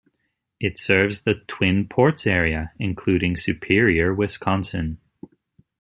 It serves the Twin Ports area, including Superior, Wisconsin.